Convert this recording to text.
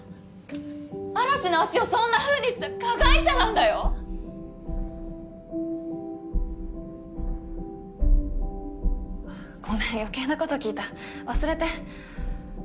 嵐の足をそんなふうにした加害者なんだよあっごめん余計なこと聞いた忘れて。